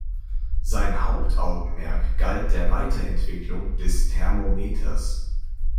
Sein Hauptaugenmerk galt der Weiterentwicklung des Thermometers.